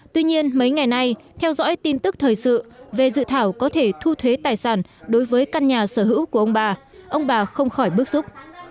tuy nhiên mấy ngày nay theo dõi tin tức thời sự về dự thảo có thể thu thuế tài sản đối với căn nhà sở hữu của ông bà ông bà không khỏi bức xúc